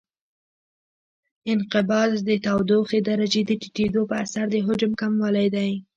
انقباض د تودوخې درجې د ټیټېدو په اثر د حجم کموالی دی.